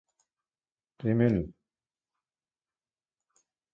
Die Mlle.